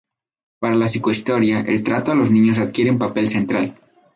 Para la psicohistoria el trato a los niños adquiere un papel central.